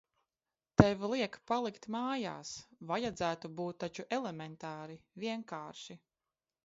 Tev liek palikt mājās. Vajadzētu būt taču elementāri, vienkārši?